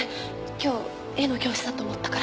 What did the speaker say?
今日絵の教室だと思ったから。